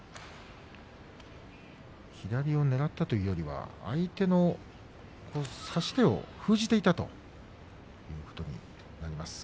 左をねらったというよりは相手の差し手を封じていたということになります。